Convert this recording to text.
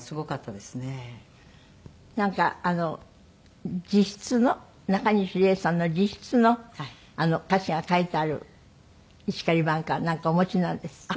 なんか自筆のなかにし礼さんの自筆の歌詩が書いてある『石狩挽歌』なんかお持ちなんですって？